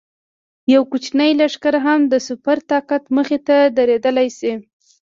یو کوچنی لښکر هم د سوپر طاقت مخې ته درېدلی شي.